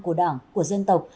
của đảng của dân tộc